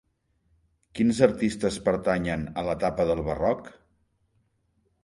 Quins artistes pertanyen a l'etapa del Barroc?